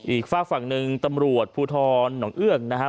ฝากฝั่งหนึ่งตำรวจภูทรหนองเอื้องนะครับ